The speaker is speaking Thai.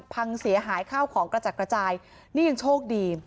พังเสียหายข้าวของกระจัดกระจายนี่ยังโชคดี